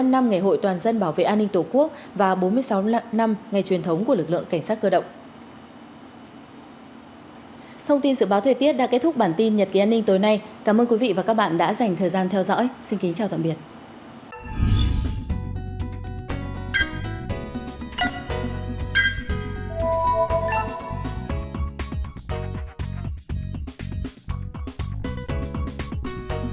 một mươi năm năm ngày hội toàn dân bảo vệ an ninh tổ quốc và bốn mươi sáu năm ngày truyền thống của lực lượng cảnh sát cơ động